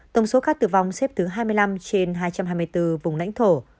tổng số ca tử vong xếp thứ hai mươi năm trên hai trăm hai mươi bốn vùng lãnh thổ